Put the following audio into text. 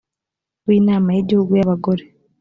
w inama y igihugu y abagore